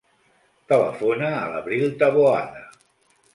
Telefona a l'Abril Taboada.